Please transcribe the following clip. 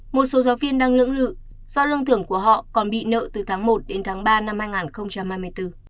một số giáo viên đang lưỡng lự do lương thưởng của họ còn bị nợ từ tháng một đến tháng ba năm hai nghìn hai mươi bốn